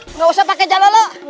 tidak usah pakai jalolo